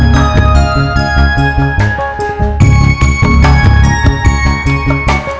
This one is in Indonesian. ya tapi saya mau beli